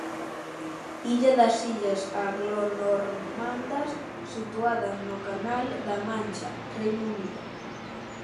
Illa das Illas Anglonormandas, situada no canal da Mancha, Reino Unido.